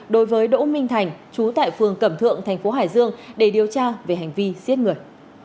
đối với đỗ minh thành chú tại phường cẩm thượng tp hcm để điều tra về hành vi giết người